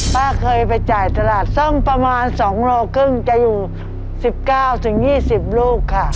ป้าเคยไปจ่ายตลาดซ่อมประมาณ๒โลครึ่งจะอยู่๑๙๒๐ลูกค่ะ